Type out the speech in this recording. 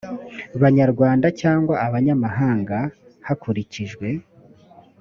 banyarwanda cyangwa abanyamahanga hakurikijwe